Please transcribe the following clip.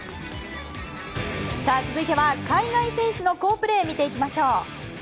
続いては、海外選手の好プレー見ていきましょう。